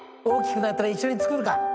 大きくなったら一緒に作るか。